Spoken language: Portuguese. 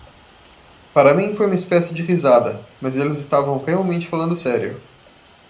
Para mim foi uma espécie de risada, mas eles estavam realmente falando sério.